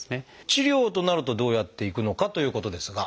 治療となるとどうやっていくのかということですが。